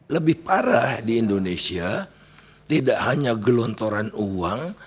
lebih parah di indonesia tidak hanya gelontoran uang